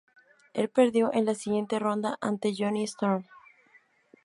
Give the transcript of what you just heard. Él perdió en la siguiente ronda ante Jonny Storm.